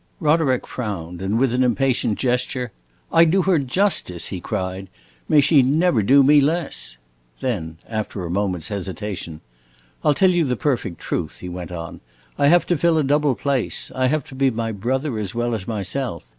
Roderick frowned, and with an impatient gesture, "I do her justice," he cried. "May she never do me less!" Then after a moment's hesitation, "I 'll tell you the perfect truth," he went on. "I have to fill a double place. I have to be my brother as well as myself.